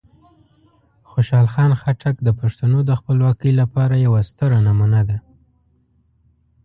خوشحال خان خټک د پښتنو د خپلواکۍ لپاره یوه ستره نمونه ده.